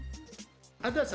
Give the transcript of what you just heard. dan lemak jenuhnya